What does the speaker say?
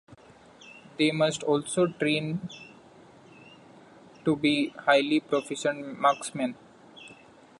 They must also train to be highly proficient marksmen.